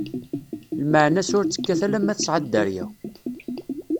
lmeɛna-s ur tt-kkat alemma tesɛa dderya.